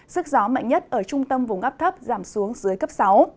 sức gió mạnh nhất ở trung tâm vùng áp thấp giảm xuống dưới cấp sáu